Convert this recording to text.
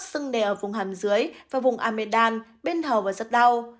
sưng nề ở vùng hàm dưới và vùng ame đan bên hầu và rất đau